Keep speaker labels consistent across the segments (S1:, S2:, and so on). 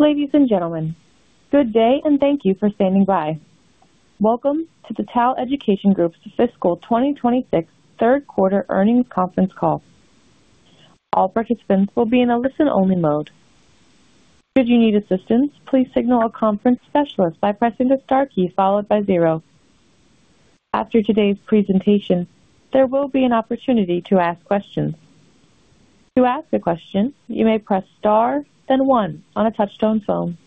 S1: Ladies and gentlemen, good day and thank you for standing by. Welcome to the TAL Education Group's Fiscal 2026 Third Quarter Earnings Conference Call. All participants will be in a listen-only mode. Should you need assistance, please signal a conference specialist by pressing the star key followed by zero. After today's presentation, there will be an opportunity to ask questions. To ask a question, you may press star, then one on a touch-tone phone.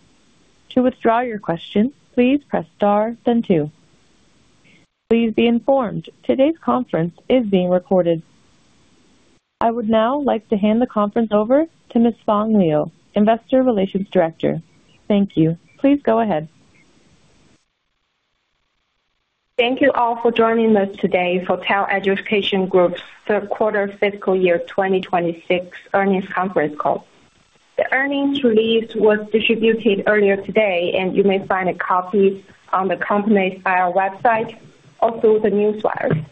S1: To withdraw your question, please press star, then two. Please be informed today's conference is being recorded. I would now like to hand the conference over to Ms. Fang Liu, Investor Relations Director. Thank you. Please go ahead.
S2: Thank you all for joining us today for TAL Education Group's Third Quarter Fiscal Year 2026 Earnings Conference Call. The earnings release was distributed earlier today, and you may find a copy on the company's IR website, also the newswire.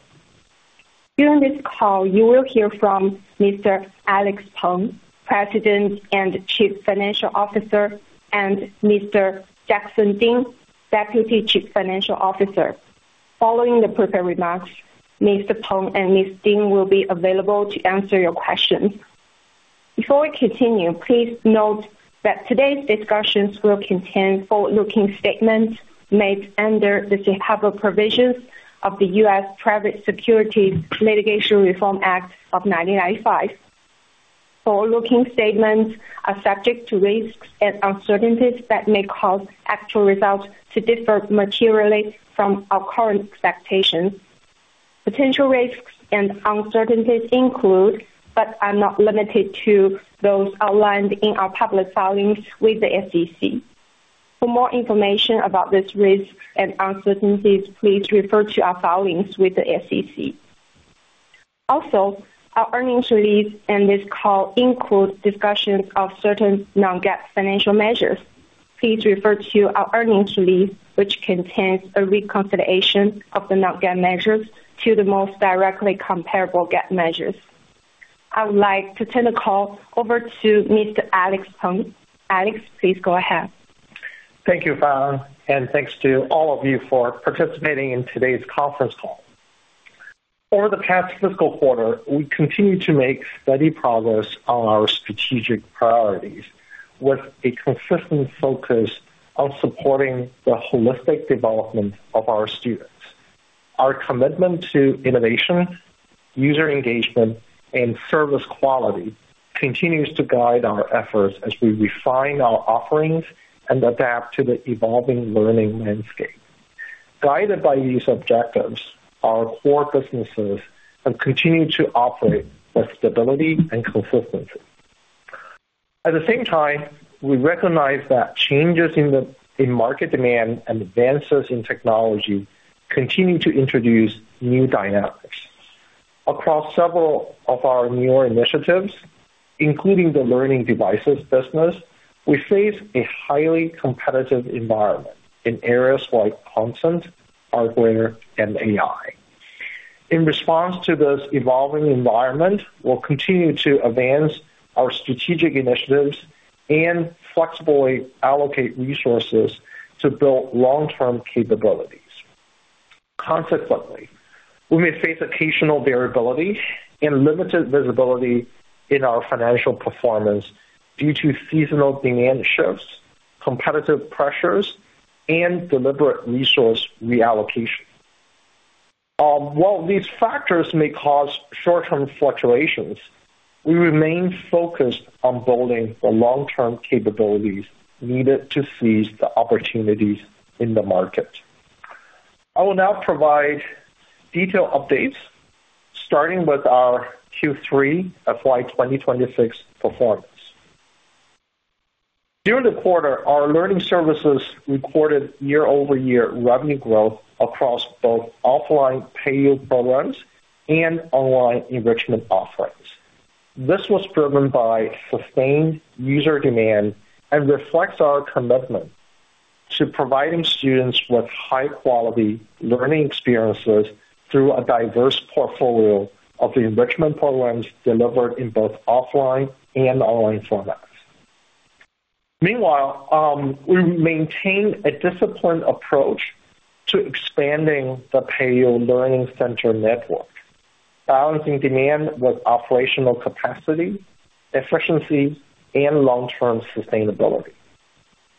S2: During this call, you will hear from Mr. Alex Peng, President and Chief Financial Officer, and Mr. Jackson Ding, Deputy Chief Financial Officer. Following the prepared remarks, Mr. Peng and Mr. Ding will be available to answer your questions. Before we continue, please note that today's discussions will contain forward-looking statements made under the safe harbor provisions of the U.S. Private Securities Litigation Reform Act of 1995. Forward-looking statements are subject to risks and uncertainties that may cause actual results to differ materially from our current expectations. Potential risks and uncertainties include, but are not limited to, those outlined in our public filings with the SEC. For more information about these risks and uncertainties, please refer to our filings with the SEC. Also, our earnings release and this call include discussions of certain non-GAAP financial measures. Please refer to our earnings release, which contains a reconciliation of the non-GAAP measures to the most directly comparable GAAP measures. I would like to turn the call over to Mr. Alex Peng. Alex, please go ahead.
S3: Thank you, Fang, and thanks to all of you for participating in today's conference call. Over the past fiscal quarter, we continued to make steady progress on our strategic priorities with a consistent focus on supporting the holistic development of our students. Our commitment to innovation, user engagement, and service quality continues to guide our efforts as we refine our offerings and adapt to the evolving learning landscape. Guided by these objectives, our core businesses have continued to operate with stability and consistency. At the same time, we recognize that changes in market demand and advances in technology continue to introduce new dynamics. Across several of our newer initiatives, including the learning devices business, we face a highly competitive environment in areas like content, hardware, and AI. In response to this evolving environment, we'll continue to advance our strategic initiatives and flexibly allocate resources to build long-term capabilities. Consequently, we may face occasional variability and limited visibility in our financial performance due to seasonal demand shifts, competitive pressures, and deliberate resource reallocation. While these factors may cause short-term fluctuations, we remain focused on building the long-term capabilities needed to seize the opportunities in the market. I will now provide detailed updates, starting with our Q3 FY 2026 performance. During the quarter, our learning services recorded year-over-year revenue growth across both offline Peiyou programs and online enrichment offerings. This was driven by sustained user demand and reflects our commitment to providing students with high-quality learning experiences through a diverse portfolio of enrichment programs delivered in both offline and online formats. Meanwhile, we maintain a disciplined approach to expanding the Peiyou learning center network, balancing demand with operational capacity, efficiency, and long-term sustainability.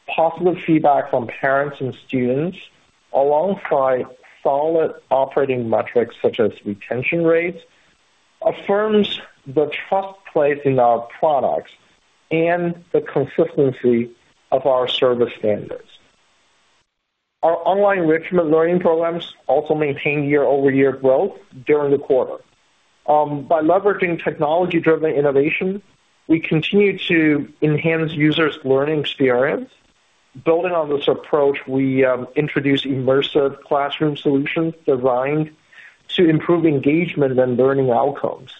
S3: Positive feedback from parents and students, alongside solid operating metrics such as retention rates, affirms the trust placed in our products and the consistency of our service standards. Our online enrichment learning programs also maintain year-over-year growth during the quarter. By leveraging technology-driven innovation, we continue to enhance users' learning experience. Building on this approach, we introduced immersive classroom solutions designed to improve engagement and learning outcomes.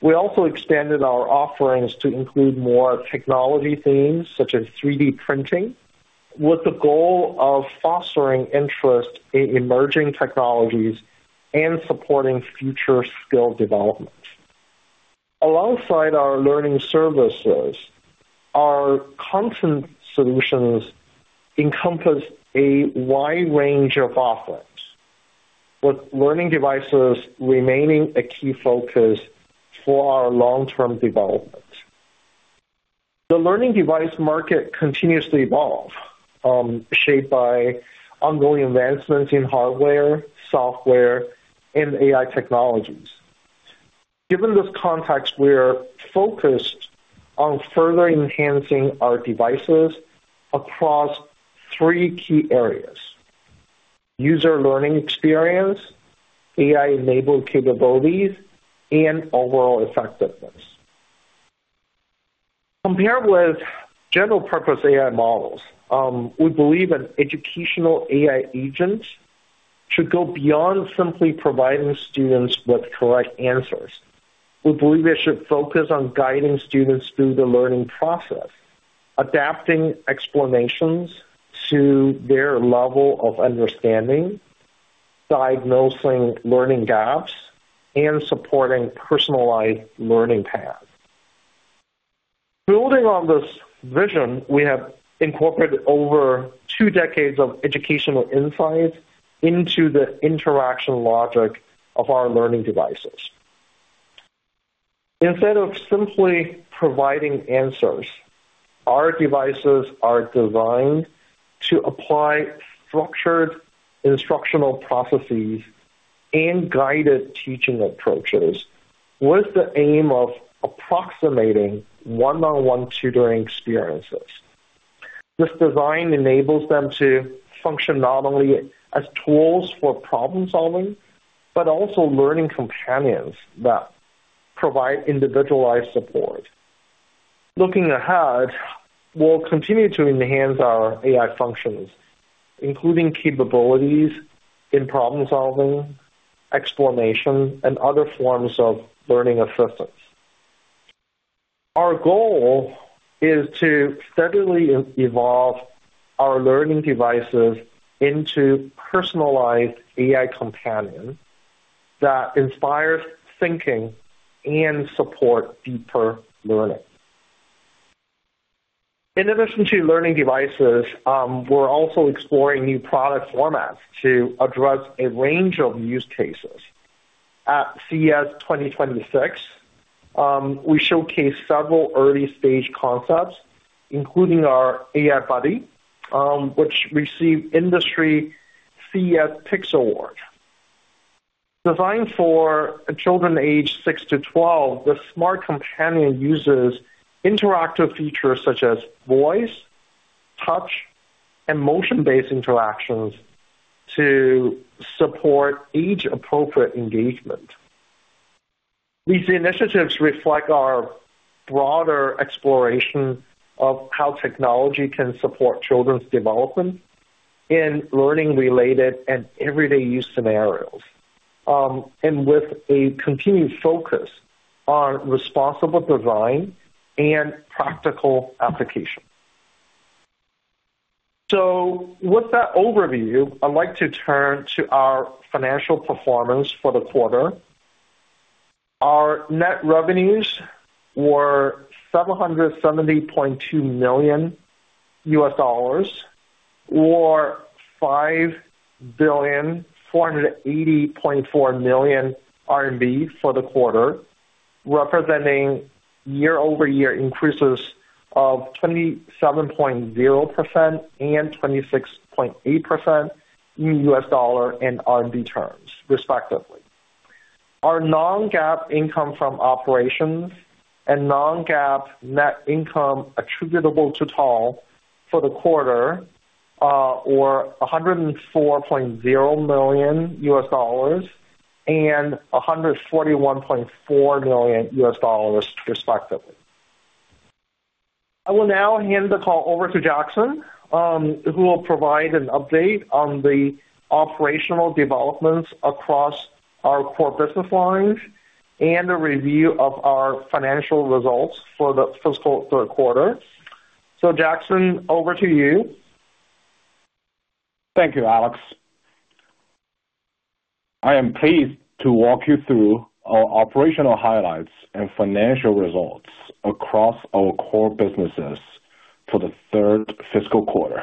S3: We also expanded our offerings to include more technology themes such as 3D printing, with the goal of fostering interest in emerging technologies and supporting future skill development. Alongside our learning services, our content solutions encompass a wide range of offerings, with learning devices remaining a key focus for our long-term development. The learning device market continues to evolve, shaped by ongoing advancements in hardware, software, and AI technologies. Given this context, we're focused on further enhancing our devices across three key areas: user learning experience, AI-enabled capabilities, and overall effectiveness. Compared with general-purpose AI models, we believe an educational AI agent should go beyond simply providing students with correct answers. We believe it should focus on guiding students through the learning process, adapting explanations to their level of understanding, diagnosing learning gaps, and supporting personalized learning paths. Building on this vision, we have incorporated over two decades of educational insights into the interaction logic of our learning devices. Instead of simply providing answers, our devices are designed to apply structured instructional processes and guided teaching approaches with the aim of approximating one-on-one tutoring experiences. This design enables them to function not only as tools for problem-solving, but also learning companions that provide individualized support. Looking ahead, we'll continue to enhance our AI functions, including capabilities in problem-solving, explanation, and other forms of learning assistance. Our goal is to steadily evolve our learning devices into personalized AI companions that inspire thinking and support deeper learning. In addition to learning devices, we're also exploring new product formats to address a range of use cases. At CES 2026, we showcased several early-stage concepts, including our AI Buddy, which received industry TWICE Picks Award. Designed for children aged six to 12, this smart companion uses interactive features such as voice, touch, and motion-based interactions to support age-appropriate engagement. These initiatives reflect our broader exploration of how technology can support children's development in learning-related and everyday use scenarios, and with a continued focus on responsible design and practical application. So, with that overview, I'd like to turn to our financial performance for the quarter. Our net revenues were $770.2 million, or CNY 5,480.4 million for the quarter, representing year-over-year increases of 27.0% and 26.8% in USD and RMB terms, respectively. Our non-GAAP income from operations and non-GAAP net income attributable to TAL for the quarter were $104.0 million and $141.4 million, respectively. I will now hand the call over to Jackson, who will provide an update on the operational developments across our core business lines and a review of our financial results for the fiscal third quarter. So, Jackson, over to you.
S4: Thank you, Alex. I am pleased to walk you through our operational highlights and financial results across our core businesses for the third fiscal quarter.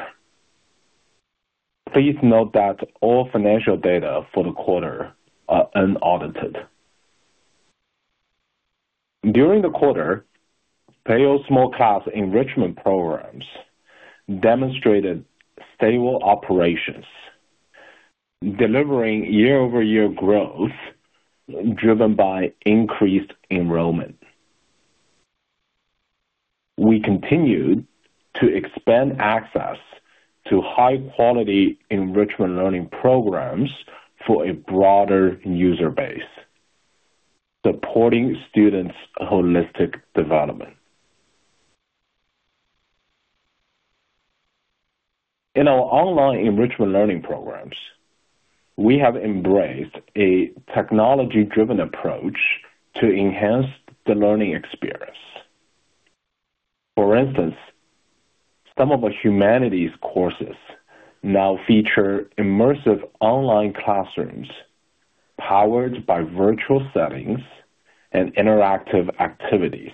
S4: Please note that all financial data for the quarter are unaudited. During the quarter, Peiyou Small Class enrichment programs demonstrated stable operations, delivering year-over-year growth driven by increased enrollment. We continued to expand access to high-quality enrichment learning programs for a broader user base, supporting students' holistic development. In our online enrichment learning programs, we have embraced a technology-driven approach to enhance the learning experience. For instance, some of our humanities courses now feature immersive online classrooms powered by virtual settings and interactive activities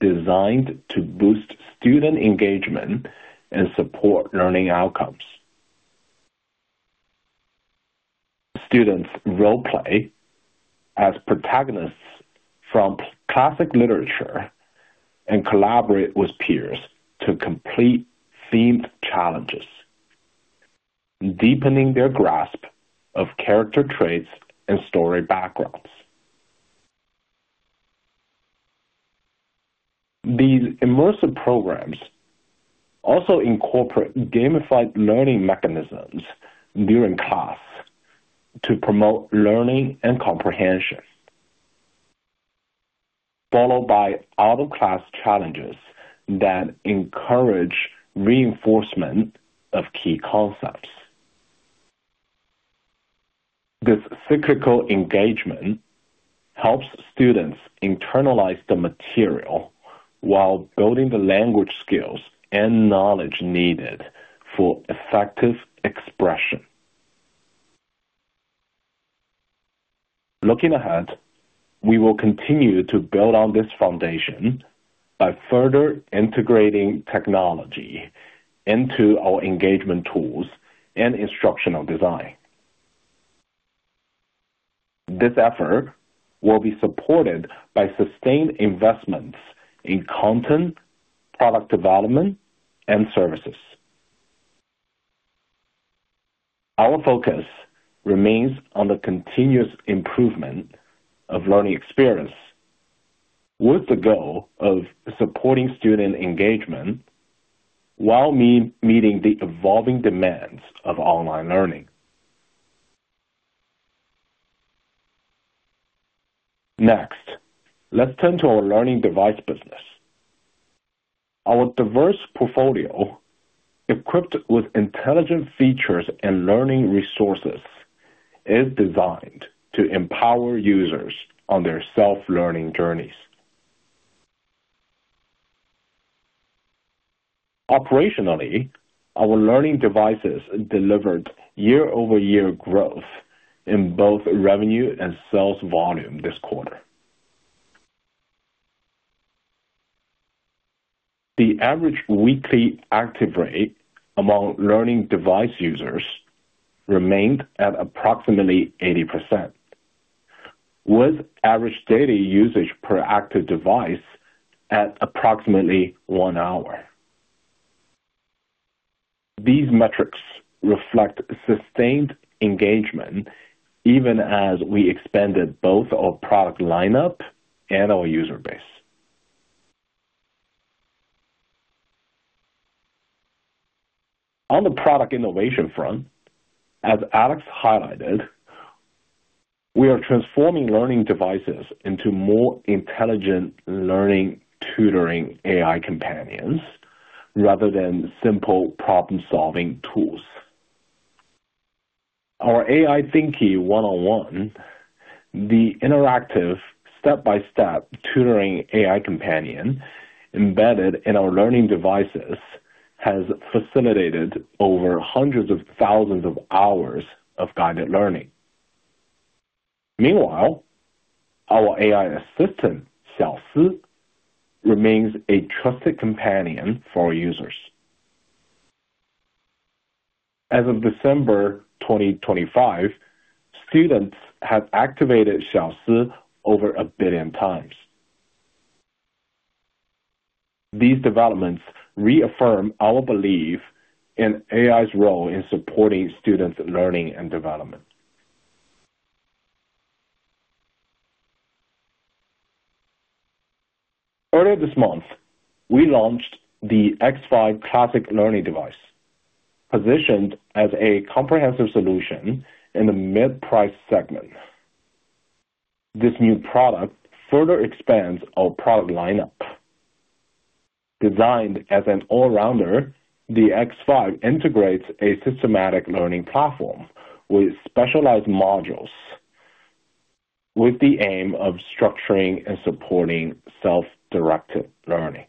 S4: designed to boost student engagement and support learning outcomes. Students role-play as protagonists from classic literature and collaborate with peers to complete themed challenges, deepening their grasp of character traits and story backgrounds. These immersive programs also incorporate gamified learning mechanisms during class to promote learning and comprehension, followed by out-of-class challenges that encourage reinforcement of key concepts. This cyclical engagement helps students internalize the material while building the language skills and knowledge needed for effective expression. Looking ahead, we will continue to build on this foundation by further integrating technology into our engagement tools and instructional design. This effort will be supported by sustained investments in content, product development, and services. Our focus remains on the continuous improvement of learning experience, with the goal of supporting student engagement while meeting the evolving demands of online learning. Next, let's turn to our learning device business. Our diverse portfolio, equipped with intelligent features and learning resources, is designed to empower users on their self-learning journeys. Operationally, our learning devices delivered year-over-year growth in both revenue and sales volume this quarter. The average weekly active rate among learning device users remained at approximately 80%, with average daily usage per active device at approximately one hour. These metrics reflect sustained engagement, even as we expanded both our product lineup and our user base. On the product innovation front, as Alex highlighted, we are transforming learning devices into more intelligent learning tutoring AI companions rather than simple problem-solving tools. Our AI Thinkie 1-on-1, the interactive step-by-step tutoring AI companion embedded in our learning devices, has facilitated over hundreds of thousands of hours of guided learning. Meanwhile, our AI assistant, Xiao Si, remains a trusted companion for users. As of December 2025, students have activated Xiao Si over 1 billion times. These developments reaffirm our belief in AI's role in supporting students' learning and development. Earlier this month, we launched the X5 Classic Learning Device, positioned as a comprehensive solution in the mid-price segment. This new product further expands our product lineup. Designed as an all-rounder, the X5 integrates a systematic learning platform with specialized modules, with the aim of structuring and supporting self-directed learning.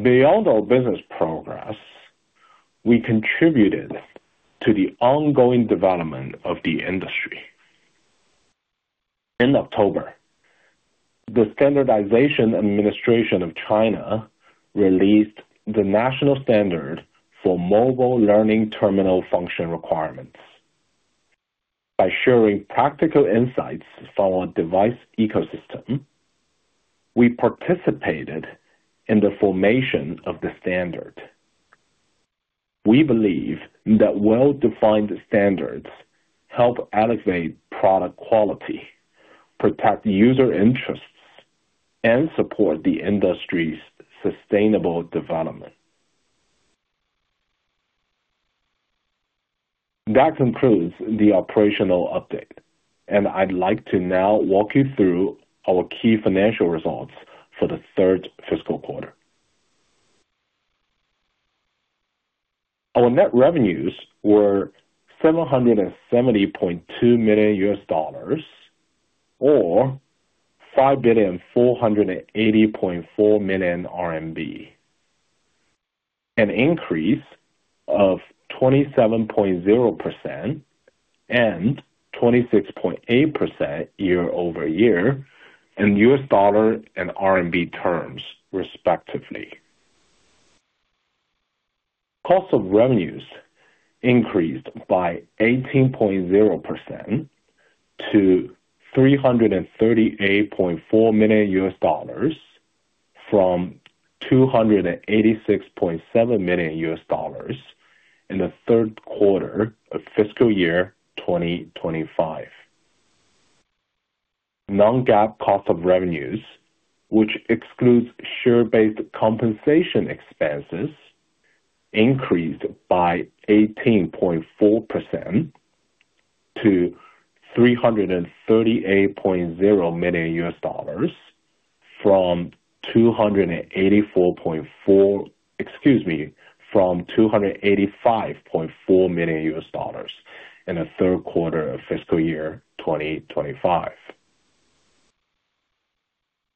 S4: Beyond our business progress, we contributed to the ongoing development of the industry. In October, the Standardization Administration of China released the national standard for mobile learning terminal function requirements. By sharing practical insights from our device ecosystem, we participated in the formation of the standard. We believe that well-defined standards help elevate product quality, protect user interests, and support the industry's sustainable development. That concludes the operational update, and I'd like to now walk you through our key financial results for the third fiscal quarter. Our net revenues were $770.2 million or CNY 5,480.4 million, an increase of 27.0% and 26.8% year-over-year in USD and RMB terms, respectively. Cost of revenues increased by 18.0% to $338.4 million, from $286.7 million in the third quarter of fiscal year 2025. Non-GAAP cost of revenues, which excludes share-based compensation expenses, increased by 18.4% to $338.0 million, from $285.4 million in the third quarter of fiscal year 2025.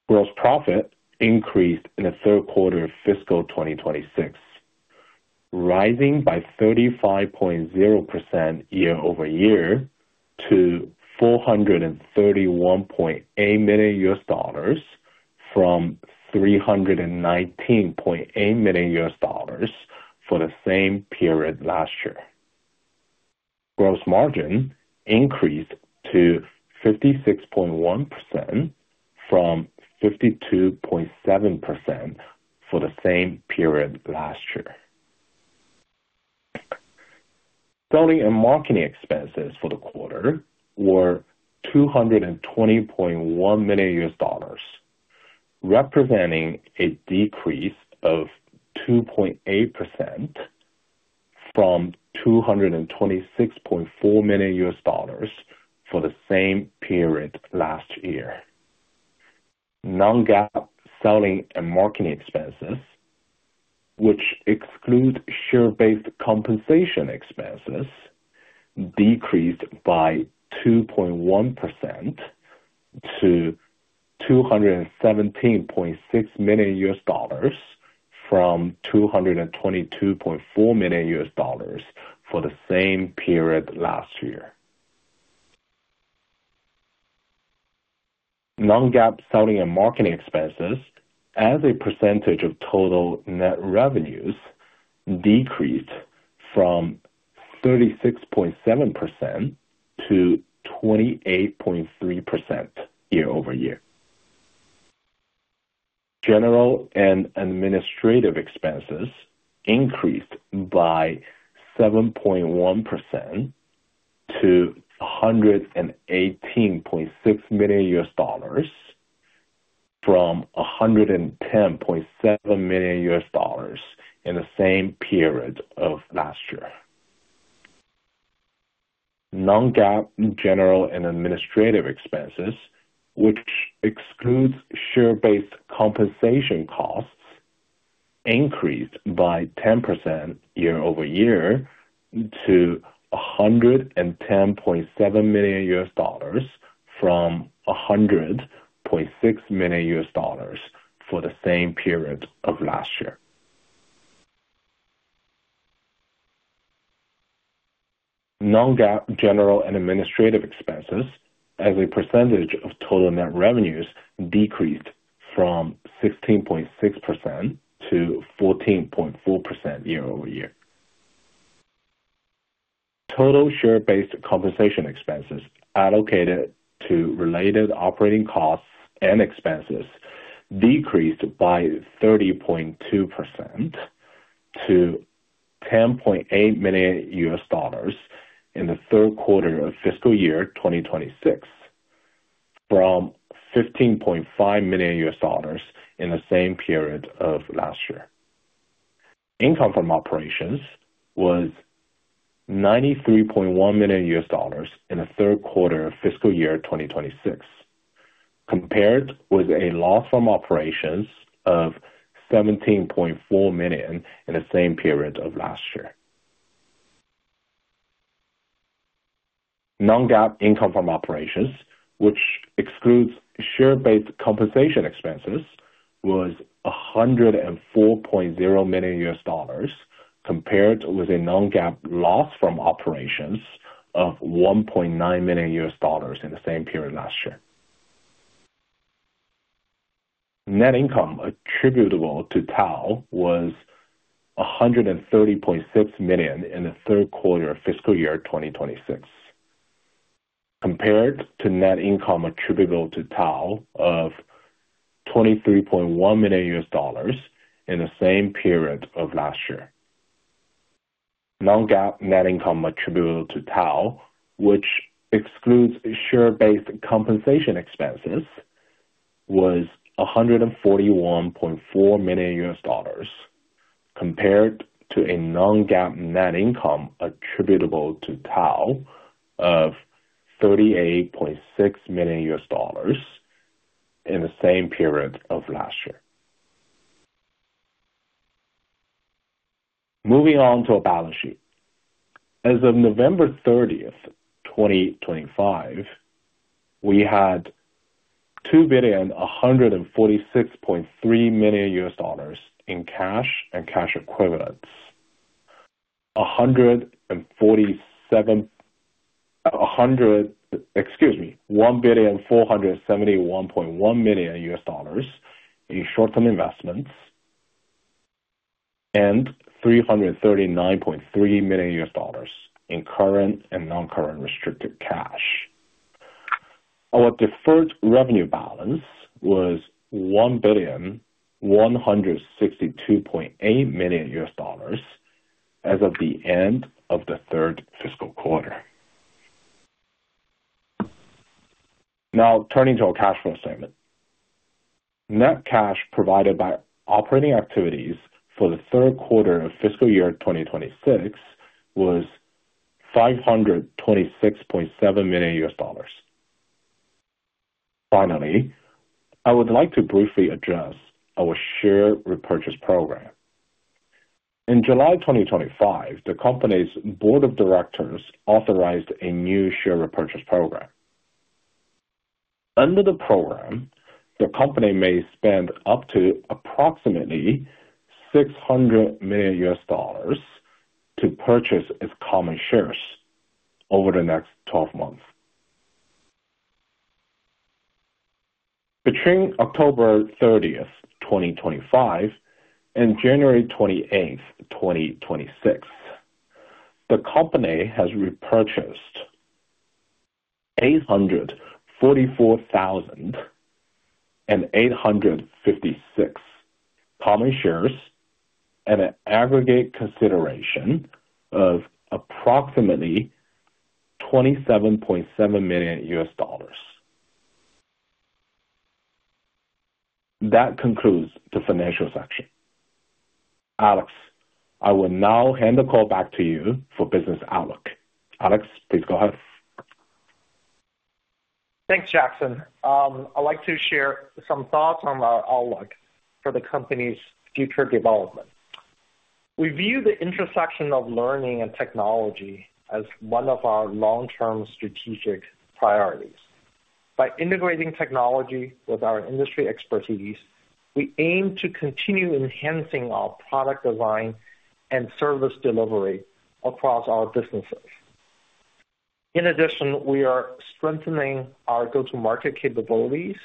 S4: Gross profit increased in the third quarter of fiscal 2026, rising by 35.0% year-over-year to $431.8 million, from $319.8 million for the same period last year. Gross margin increased to 56.1%, from 52.7% for the same period last year. Selling and marketing expenses for the quarter were $220.1 million, representing a decrease of 2.8% from $226.4 million for the same period last year. Non-GAAP selling and marketing expenses, which exclude share-based compensation expenses, decreased by 2.1% to $217.6 million, from $222.4 million for the same period last year. Non-GAAP selling and marketing expenses, as a percentage of total net revenues, decreased from 36.7% to 28.3% year-over-year. General and administrative expenses increased by 7.1% to $118.6 million, from $110.7 million in the same period of last year. Non-GAAP general and administrative expenses, which excludes share-based compensation costs, increased by 10% year-over-year to $110.7 million, from $100.6 million for the same period of last year. Non-GAAP general and administrative expenses, as a percentage of total net revenues, decreased from 16.6% to 14.4% year-over-year. Total share-based compensation expenses allocated to related operating costs and expenses decreased by 30.2% to $10.8 million in the third quarter of fiscal year 2026, from $15.5 million in the same period of last year. Income from operations was $93.1 million in the third quarter of fiscal year 2026, compared with a loss from operations of $17.4 million in the same period of last year. Non-GAAP income from operations, which excludes share-based compensation expenses, was $104.0 million, compared with a non-GAAP loss from operations of $1.9 million in the same period last year. Net income attributable to TAL was $130.6 million in the third quarter of fiscal year 2026, compared to net income attributable to TAL of $23.1 million in the same period of last year. Non-GAAP net income attributable to TAL, which excludes share-based compensation expenses, was $141.4 million, compared to a non-GAAP net income attributable to TAL of $38.6 million in the same period of last year. Moving on to our balance sheet. As of November 30, 2025, we had $2,146.3 million in cash and cash equivalents, $171.1 million in short-term investments, and $339.3 million in current and non-current restricted cash. Our deferred revenue balance was $1,162.8 million as of the end of the third fiscal quarter. Now, turning to our cash flow statement. Net cash provided by operating activities for the third quarter of fiscal year 2026 was $526.7 million. Finally, I would like to briefly address our share repurchase program. In July 2025, the company's board of directors authorized a new share repurchase program. Under the program, the company may spend up to approximately $600 million to purchase its common shares over the next 12 months. Between October 30, 2025, and January 28, 2026, the company has repurchased 844,856 common shares and an aggregate consideration of approximately $27.7 million. That concludes the financial section. Alex, I will now hand the call back to you for business outlook. Alex, please go ahead.
S3: Thanks, Jackson. I'd like to share some thoughts on our outlook for the company's future development. We view the intersection of learning and technology as one of our long-term strategic priorities. By integrating technology with our industry expertise, we aim to continue enhancing our product design and service delivery across our businesses. In addition, we are strengthening our go-to-market capabilities.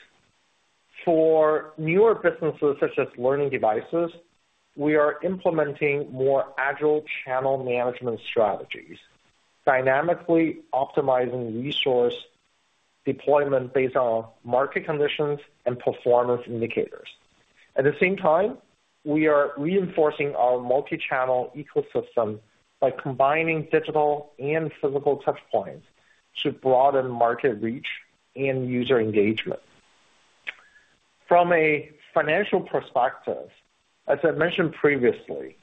S3: For newer businesses, such as learning devices, we are implementing more agile channel management strategies, dynamically optimizing resource deployment based on market conditions and performance indicators. At the same time, we are reinforcing our multi-channel ecosystem by combining digital and physical touchpoints to broaden market reach and user engagement. From a financial perspective, as I mentioned previously,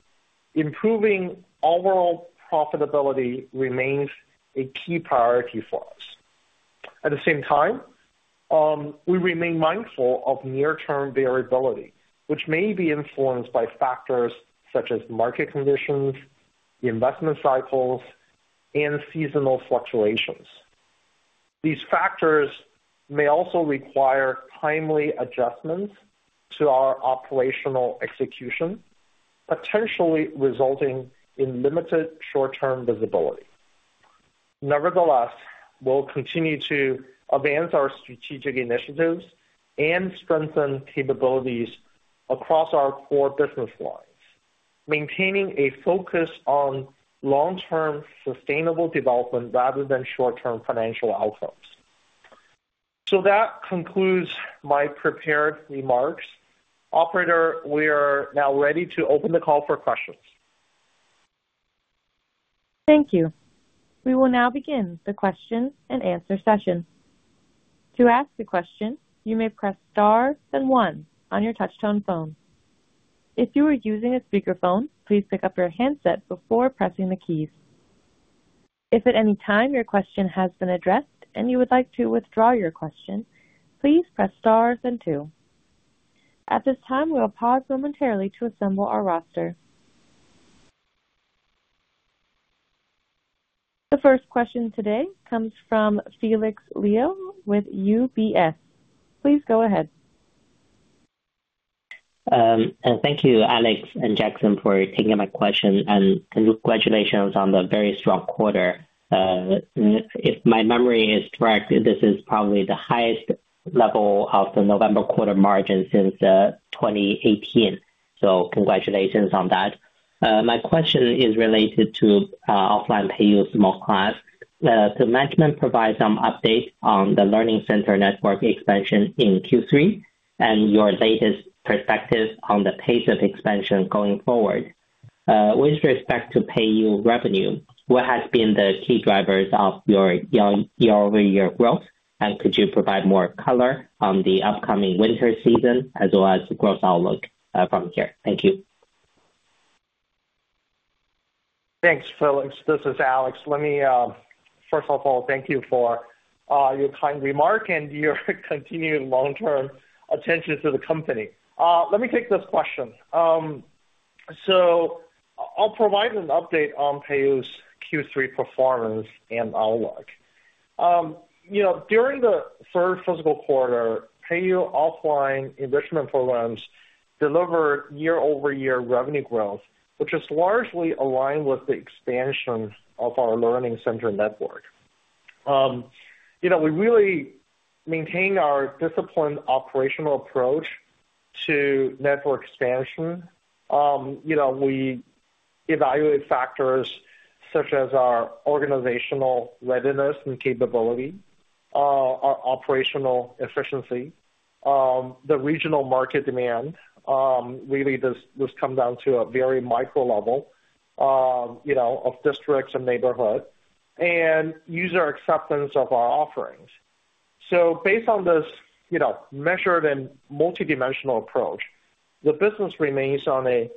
S3: improving overall profitability remains a key priority for us. At the same time, we remain mindful of near-term variability, which may be influenced by factors such as market conditions, investment cycles, and seasonal fluctuations. These factors may also require timely adjustments to our operational execution, potentially resulting in limited short-term visibility. Nevertheless, we'll continue to advance our strategic initiatives and strengthen capabilities across our core business lines, maintaining a focus on long-term sustainable development rather than short-term financial outcomes. So that concludes my prepared remarks. Operator, we are now ready to open the call for questions.
S1: Thank you. We will now begin the question and answer session. To ask a question, you may press star then one on your touch-tone phone. If you are using a speakerphone, please pick up your handset before pressing the keys. If at any time your question has been addressed and you would like to withdraw your question, please press star then two. At this time, we'll pause momentarily to assemble our roster. The first question today comes from Felix Liu with UBS. Please go ahead.
S5: Thank you, Alex and Jackson, for taking my question, and congratulations on the very strong quarter. If my memory is correct, this is probably the highest level of the November quarter margin since 2018, so congratulations on that. My question is related to offline Peiyou Small Class. The management provides some updates on the learning center network expansion in Q3 and your latest perspective on the pace of expansion going forward. With respect to Peiyou revenue, what has been the key drivers of your year-over-year growth, and could you provide more color on the upcoming winter season as well as the growth outlook from here? Thank you.
S3: Thanks, Felix. This is Alex. Let me, first of all, thank you for your kind remark and your continued long-term attention to the company. Let me take this question. So I'll provide an update on Peiyou's Q3 performance and outlook. During the third fiscal quarter, Peiyou offline enrichment programs delivered year-over-year revenue growth, which is largely aligned with the expansion of our learning center network. We really maintain our disciplined operational approach to network expansion. We evaluate factors such as our organizational readiness and capability, our operational efficiency, the regional market demand. Really, this comes down to a very micro level of districts and neighborhoods and user acceptance of our offerings. So based on this measured and multidimensional approach, the business remains on a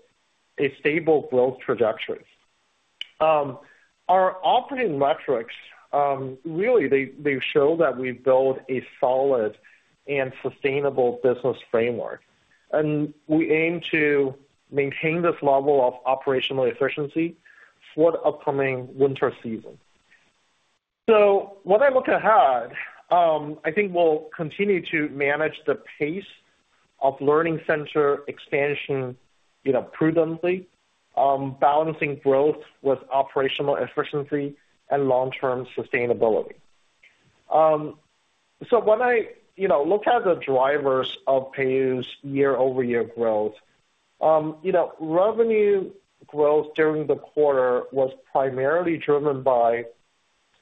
S3: stable growth trajectory. Our operating metrics, really, they show that we build a solid and sustainable business framework, and we aim to maintain this level of operational efficiency for the upcoming winter season. So when I look ahead, I think we'll continue to manage the pace of learning center expansion prudently, balancing growth with operational efficiency and long-term sustainability. So when I look at the drivers of Peiyou's year-over-year growth, revenue growth during the quarter was primarily driven by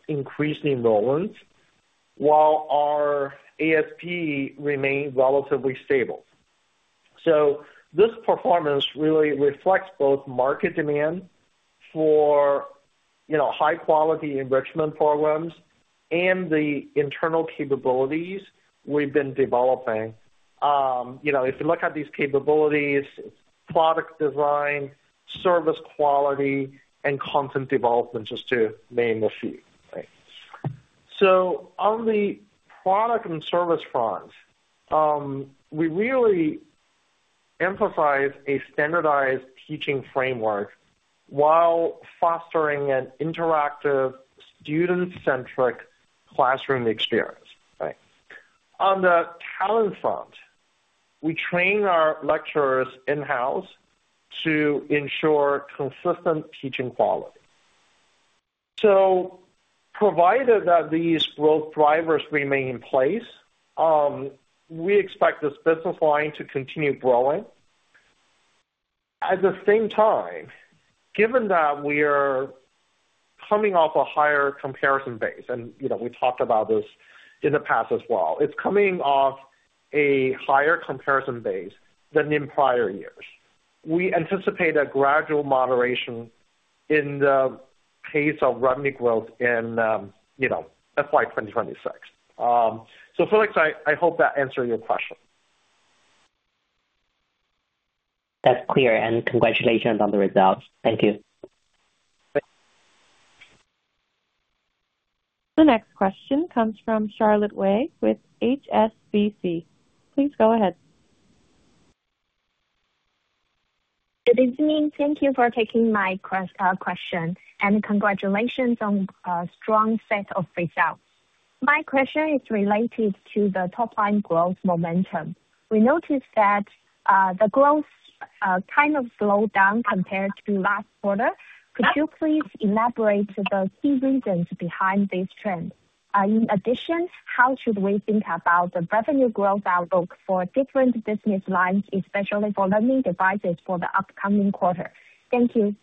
S3: increased enrollments, while our ASP remained relatively stable. So this performance really reflects both market demand for high-quality enrichment programs and the internal capabilities we've been developing. If you look at these capabilities, product design, service quality, and content development, just to name a few. So on the product and service front, we really emphasize a standardized teaching framework while fostering an interactive, student-centric classroom experience. On the talent front, we train our lecturers in-house to ensure consistent teaching quality. So provided that these growth drivers remain in place, we expect this business line to continue growing. At the same time, given that we are coming off a higher comparison base, and we talked about this in the past as well, it's coming off a higher comparison base than in prior years. We anticipate a gradual moderation in the pace of revenue growth in FY 2026. So Felix, I hope that answered your question.
S5: That's clear, and congratulations on the results. Thank you.
S1: The next question comes from Charlotte Wei with HSBC. Please go ahead.
S6: Good evening. Thank you for taking my question, and congratulations on a strong set of results. My question is related to the top-line growth momentum. We noticed that the growth kind of slowed down compared to last quarter. Could you please elaborate the key reasons behind this trend? In addition, how should we think about the revenue growth outlook for different business lines, especially for learning devices for the upcoming quarter? Thank you.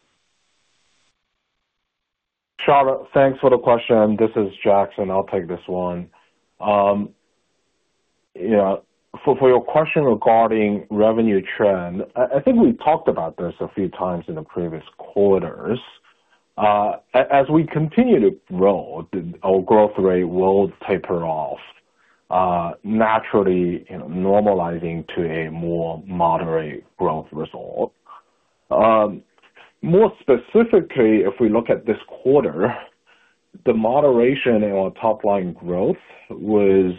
S4: Charlotte, thanks for the question. This is Jackson. I'll take this one. For your question regarding revenue trend, I think we talked about this a few times in the previous quarters. As we continue to grow, our growth rate will taper off, naturally normalizing to a more moderate growth result. More specifically, if we look at this quarter, the moderation in our top-line growth was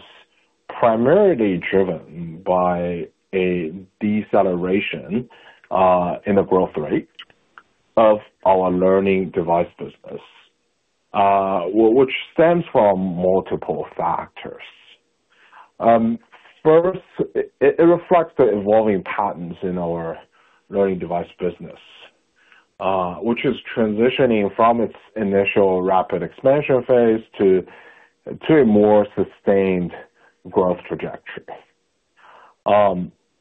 S4: primarily driven by a deceleration in the growth rate of our learning device business, which stems from multiple factors. First, it reflects the evolving patterns in our learning device business, which is transitioning from its initial rapid expansion phase to a more sustained growth trajectory.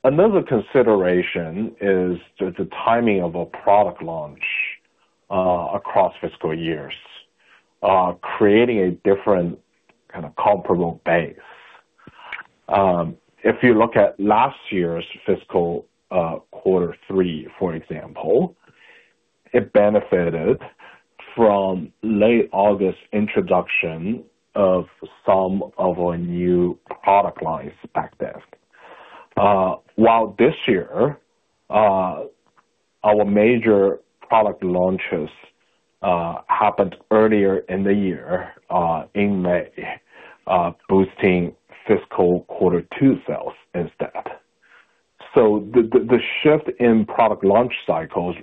S4: Another consideration is the timing of our product launch across fiscal years, creating a different kind of comparable base. If you look at last year's fiscal quarter three, for example, it benefited from late August introduction of some of our new product lines back then. While this year, our major product launches happened earlier in the year in May, boosting fiscal quarter two sales instead. So the shift in product launch cycles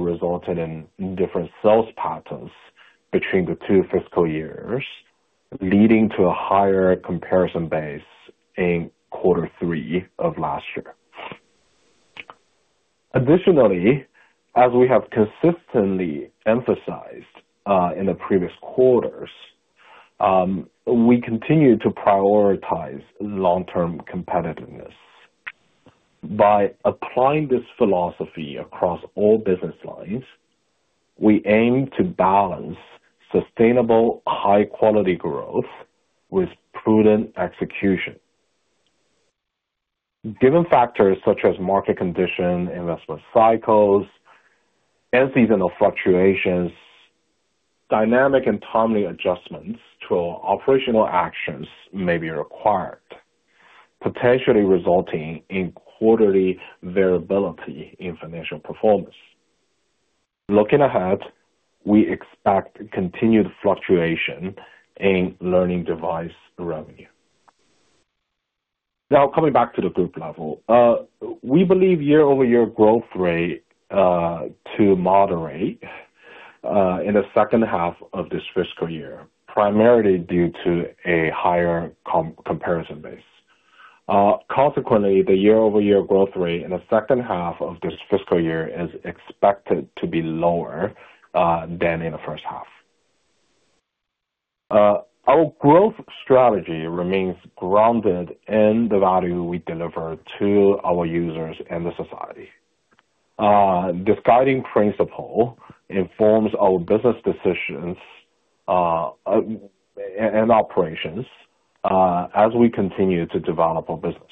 S4: resulted in different sales patterns between the two fiscal years, leading to a higher comparison base in quarter three of last year. Additionally, as we have consistently emphasized in the previous quarters, we continue to prioritize long-term competitiveness. By applying this philosophy across all business lines, we aim to balance sustainable high-quality growth with prudent execution. Given factors such as market condition, investment cycles, and seasonal fluctuations, dynamic and timely adjustments to our operational actions may be required, potentially resulting in quarterly variability in financial performance. Looking ahead, we expect continued fluctuation in learning device revenue. Now, coming back to the group level, we believe year-over-year growth rate to moderate in the second half of this fiscal year, primarily due to a higher comparison base. Consequently, the year-over-year growth rate in the second half of this fiscal year is expected to be lower than in the first half. Our growth strategy remains grounded in the value we deliver to our users and the society. This guiding principle informs our business decisions and operations as we continue to develop our business.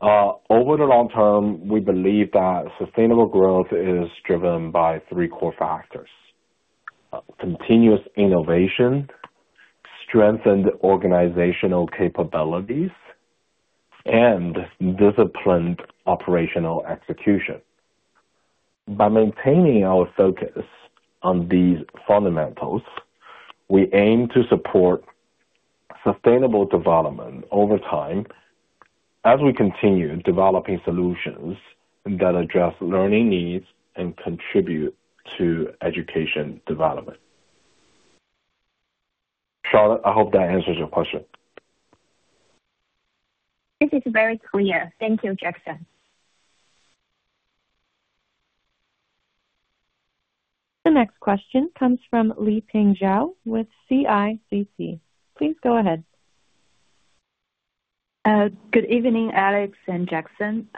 S4: Over the long term, we believe that sustainable growth is driven by three core factors: continuous innovation, strengthened organizational capabilities, and disciplined operational execution. By maintaining our focus on these fundamentals, we aim to support sustainable development over time as we continue developing solutions that address learning needs and contribute to education development. Charlotte, I hope that answers your question.
S6: This is very clear. Thank you, Jackson.
S1: The next question comes from Liping Zhao with CICC. Please go ahead.
S7: Good evening, Alex and Jackson.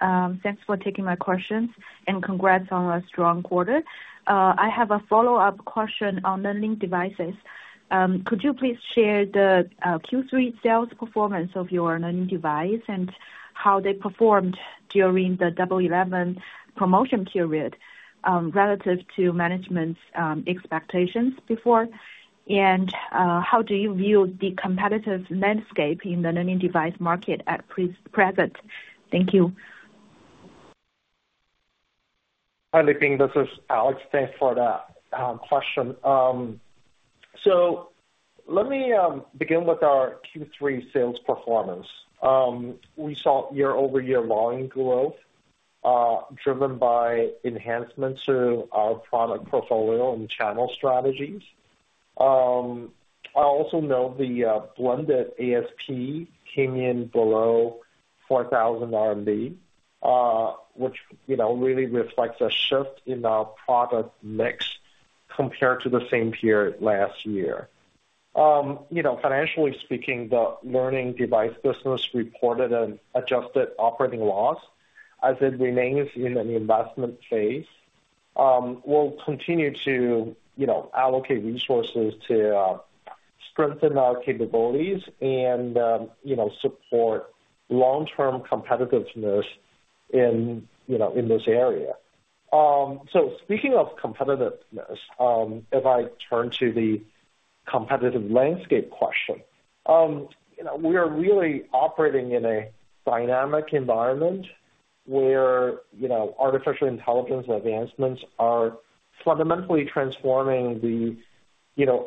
S7: Thanks for taking my questions and congrats on a strong quarter. I have a follow-up question on learning devices. Could you please share the Q3 sales performance of your learning device and how they performed during the Double 11 promotion period relative to management's expectations before? And how do you view the competitive landscape in the learning device market at present? Thank you.
S3: Hi, Liping. This is Alex. Thanks for the question. So let me begin with our Q3 sales performance. We saw year-over-year volume growth driven by enhancements to our product portfolio and channel strategies. I also know the blended ASP came in below 4,000 RMB, which really reflects a shift in our product mix compared to the same period last year. Financially speaking, the learning device business reported an adjusted operating loss as it remains in an investment phase. We'll continue to allocate resources to strengthen our capabilities and support long-term competitiveness in this area. So speaking of competitiveness, if I turn to the competitive landscape question, we are really operating in a dynamic environment where artificial intelligence advancements are fundamentally transforming the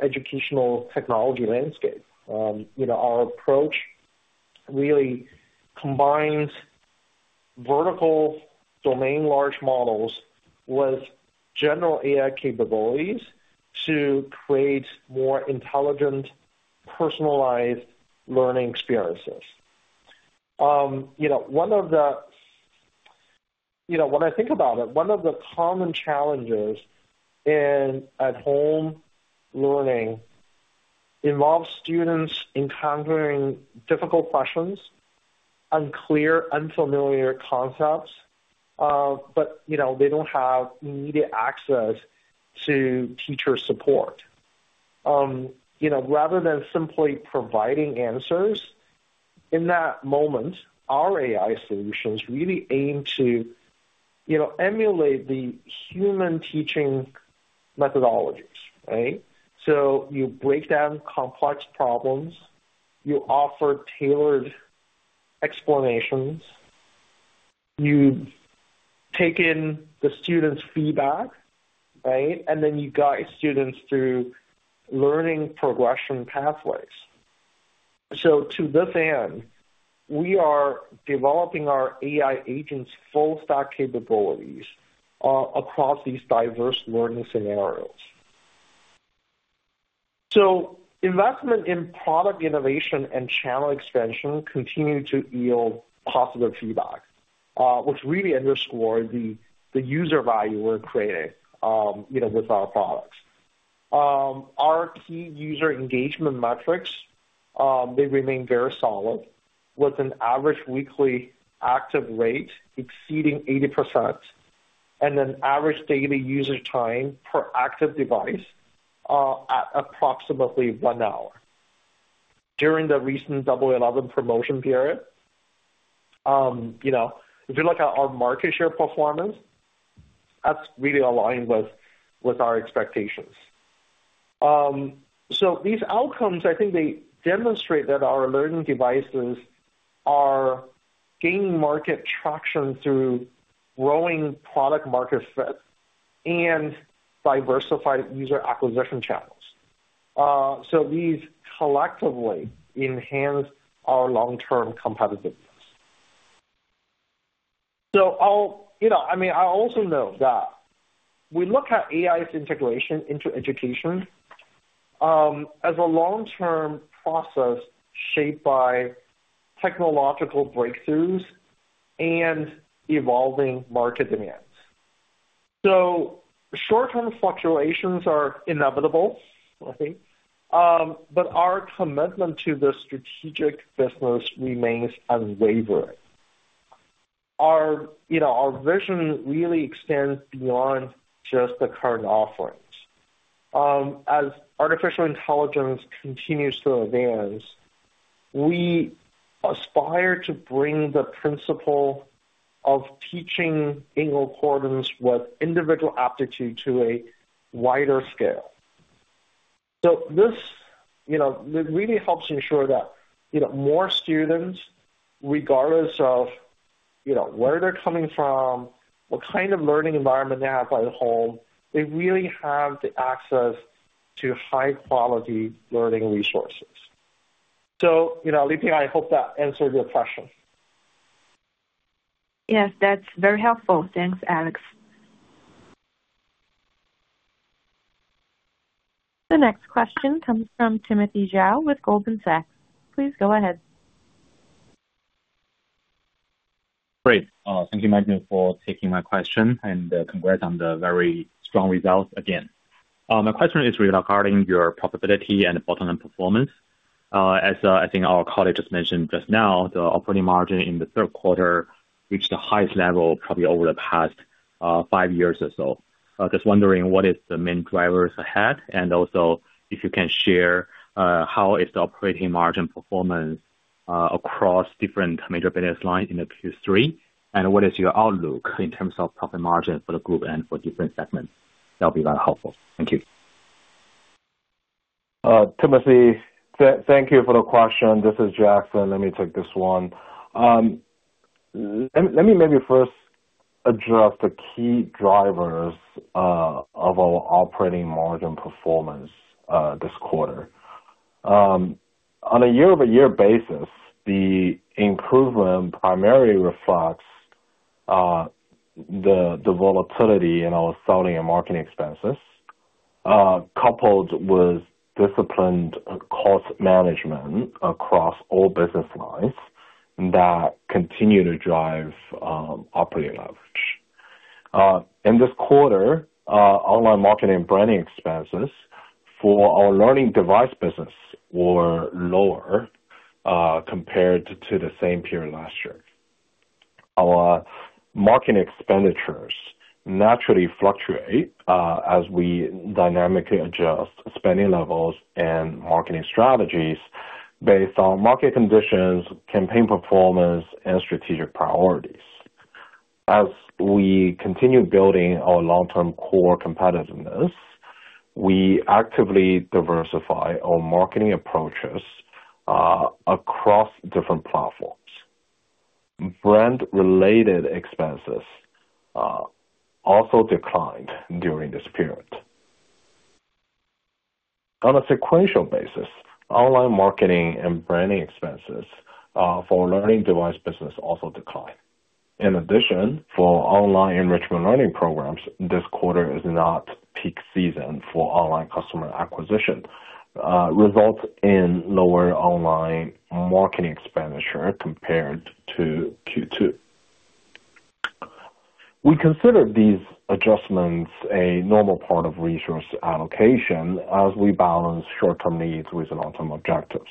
S3: educational technology landscape. Our approach really combines vertical domain large models with general AI capabilities to create more intelligent, personalized learning experiences. One of the common challenges in at-home learning involves students encountering difficult questions, unclear, unfamiliar concepts, but they don't have immediate access to teacher support. Rather than simply providing answers in that moment, our AI solutions really aim to emulate the human teaching methodologies, right? So you break down complex problems, you offer tailored explanations, you take in the student's feedback, right? And then you guide students through learning progression pathways. So to this end, we are developing our AI agents' full-stack capabilities across these diverse learning scenarios. So investment in product innovation and channel expansion continue to yield positive feedback, which really underscores the user value we're creating with our products. Our key user engagement metrics, they remain very solid with an average weekly active rate exceeding 80% and an average daily usage time per active device at approximately one hour. During the recent Double 11 promotion period, if you look at our market share performance, that's really aligned with our expectations. So these outcomes, I think they demonstrate that our learning devices are gaining market traction through growing product-market fit and diversified user acquisition channels. So these collectively enhance our long-term competitiveness. So I mean, I also know that we look at AI's integration into education as a long-term process shaped by technological breakthroughs and evolving market demands. So short-term fluctuations are inevitable, I think, but our commitment to the strategic business remains unwavering. Our vision really extends beyond just the current offerings. As artificial intelligence continues to advance, we aspire to bring the principle of teaching in accordance with individual aptitude to a wider scale. So this really helps ensure that more students, regardless of where they're coming from, what kind of learning environment they have at home, they really have the access to high-quality learning resources. So Liping, I hope that answered your question.
S7: Yes, that's very helpful. Thanks, Alex.
S1: The next question comes from Timothy Zhao with Goldman Sachs. Please go ahead.
S8: Great. Thank you, operator, for taking my question and congrats on the very strong results again. My question is regarding your profitability and bottom-line performance. As I think our colleagues just mentioned just now, the operating margin in the third quarter reached the highest level probably over the past five years or so. Just wondering what are the main drivers ahead and also if you can share how is the operating margin performance across different major business lines in the Q3 and what is your outlook in terms of profit margin for the group and for different segments? That would be very helpful. Thank you.
S4: Timothy, thank you for the question. This is Jackson. Let me take this one. Let me maybe first address the key drivers of our operating margin performance this quarter. On a year-over-year basis, the improvement primarily reflects the volatility in our selling and marketing expenses coupled with disciplined cost management across all business lines that continue to drive operating leverage. In this quarter, online marketing and branding expenses for our learning device business were lower compared to the same period last year. Our marketing expenditures naturally fluctuate as we dynamically adjust spending levels and marketing strategies based on market conditions, campaign performance, and strategic priorities. As we continue building our long-term core competitiveness, we actively diversify our marketing approaches across different platforms. Brand-related expenses also declined during this period. On a sequential basis, online marketing and branding expenses for learning device business also declined. In addition, for online enrichment learning programs, this quarter is not peak season for online customer acquisition, resulting in lower online marketing expenditure compared to Q2. We consider these adjustments a normal part of resource allocation as we balance short-term needs with long-term objectives.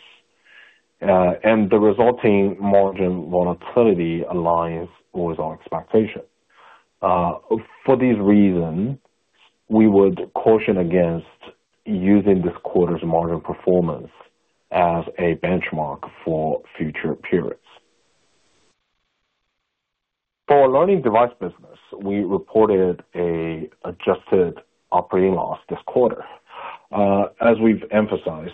S4: The resulting margin volatility aligns with our expectation. For these reasons, we would caution against using this quarter's margin performance as a benchmark for future periods. For our learning device business, we reported an adjusted operating loss this quarter. As we've emphasized,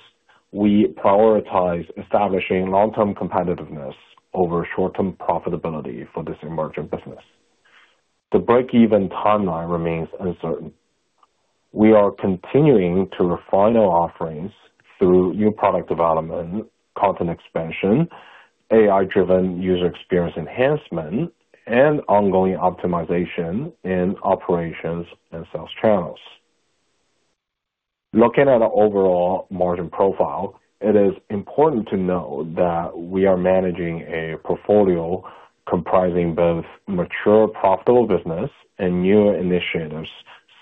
S4: we prioritize establishing long-term competitiveness over short-term profitability for this emerging business. The break-even timeline remains uncertain. We are continuing to refine our offerings through new product development, content expansion, AI-driven user experience enhancement, and ongoing optimization in operations and sales channels. Looking at our overall margin profile, it is important to note that we are managing a portfolio comprising both mature profitable business and new initiatives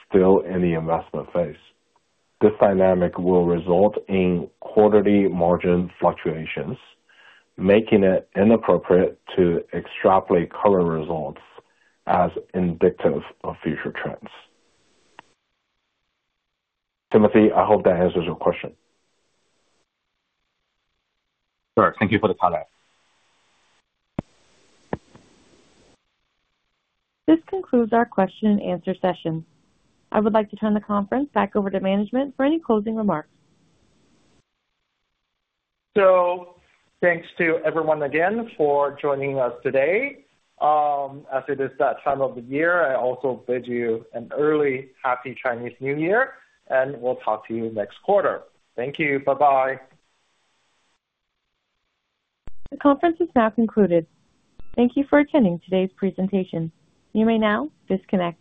S4: still in the investment phase. This dynamic will result in quarterly margin fluctuations, making it inappropriate to extrapolate current results as indicative of future trends. Timothy, I hope that answers your question.
S8: Sure. Thank you for the comment.
S1: This concludes our question-and-answer session. I would like to turn the conference back over to management for any closing remarks.
S3: Thanks to everyone again for joining us today. As it is that time of the year, I also bid you an early, happy Chinese New Year, and we'll talk to you next quarter. Thank you. Bye-bye.
S1: The conference is now concluded. Thank you for attending today's presentation. You may now disconnect.